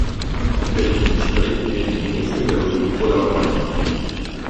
Per i ministri vedi Ministri dello sviluppo della Romania.